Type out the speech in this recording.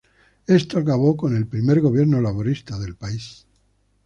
Esto acabó con el primer gobierno laborista del país.